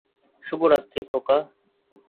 শুভরাত্রি, খোকা।